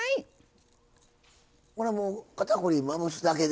これもうかたくりまぶすだけで。